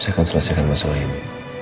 saya akan selesaikan masa lain